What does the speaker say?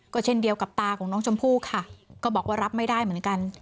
ก็เช่นเดียวกับตาของน้องชมพู่ค่ะก็บอกว่ารับไม่ได้เหมือนกัน